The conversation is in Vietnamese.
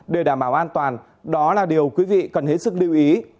để đảm bảo an toàn đó là điều quý vị cần hết sức lưu ý